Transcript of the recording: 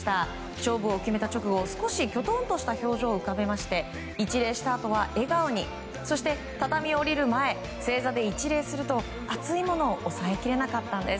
勝負を決めた直後少しきょとんとした表情を浮かべまして一礼したあとは笑顔にそして畳を降りる前正座で一礼すると熱いものを抑えきれなかったんです。